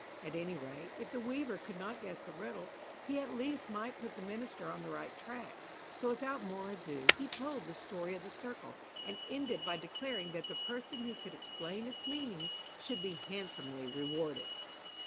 At any rate, if the weaver could not guess the riddle, he at least might put the minister on the right track. So without more ado he told the story of the circle, and ended by declaring that the person who could explain its meaning should be handsomely rewarded.